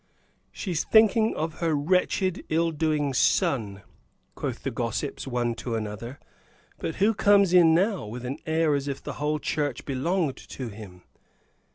"She's thinking of her wretched, ill doing son," quoth the gossips, one to another. But who comes in now, with an air as if the whole church belonged to him?